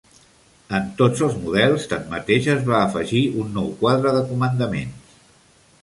En tots els models, tanmateix, es va afegir un nou quadre de comandaments.